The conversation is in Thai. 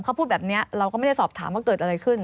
เขาพูดแบบนี้เราก็ไม่ได้สอบถามว่าเกิดอะไรขึ้น